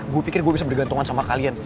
gue pikir gue bisa bergantungan sama kalian